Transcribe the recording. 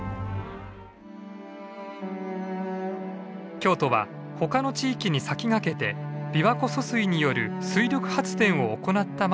京都は他の地域に先駆けて琵琶湖疎水による水力発電を行った町でもあります。